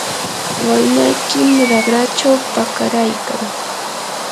waynaykim raqrachaw pakaraykan.